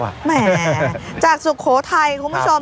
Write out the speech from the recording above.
แหมจากสุโขทัยคุณผู้ชม